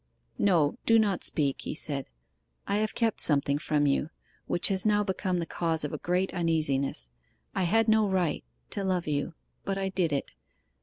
'No do not speak,' he said. 'I have kept something from you, which has now become the cause of a great uneasiness. I had no right to love you; but I did it.